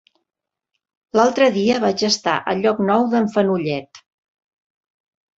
L'altre dia vaig estar a Llocnou d'en Fenollet.